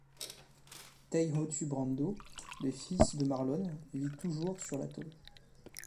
Teihotu Brando, le fils de Marlon, vit toujours sur l'atoll.